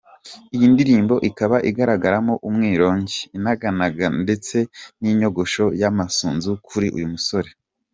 Iyi ndirimbo ikaba igaragaramo umwirongi, inaganaga ndetse n’inyogosho y’amasunzu kuri uyu musore.